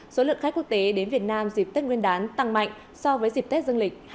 số lượt khách quốc tế đến việt nam dịp tết nguyên đán tăng mạnh so với dịp tết dân lịch hai nghìn hai mươi ba